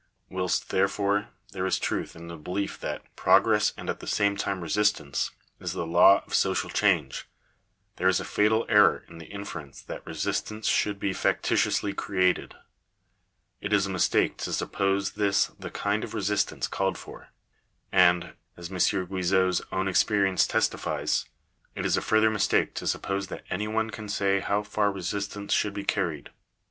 Whilst, therefore, there is truth in the belief that " progress, Digitized by VjOOQIC CONCLUSION. 471 be I indf and at the same time resistance/' is the law of social change, there is a fatal error in the inference that resistance should factitiously created. It is a mistake to suppose this the kind of resistance called for ; and, as M. Guijot's own experience testifies, it is a further mistake to suppose that any one can say how far resistance should be carried.